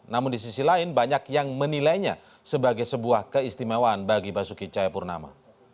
namun di sisi lain banyak yang menilainya sebagai sebuah keistimewaan bagi basuki cahayapurnama